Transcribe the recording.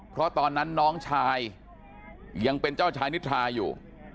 เพราะตอนนั้นน้องชายยังเป็นเจ้าชายนิทราอยู่